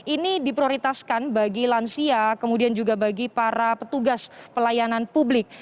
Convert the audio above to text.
ini diprioritaskan bagi lansia kemudian juga bagi para petugas pelayanan publik